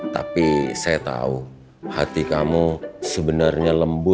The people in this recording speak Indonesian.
tapi saya tahu hati kamu itu tidak akan berubah